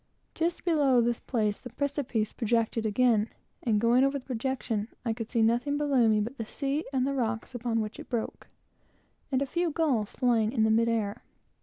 Just below this place, the precipice projected again, and going over the projection, I could see nothing below me but the sea and the rocks upon which it broke, and a few gulls flying in mid air.